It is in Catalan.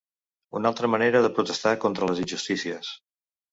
Una altra manera de protestar contra les injustícies.